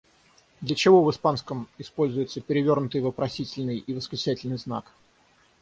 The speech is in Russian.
Для чего в испанском используется перевёрнутый вопросительный и восклицательный знак?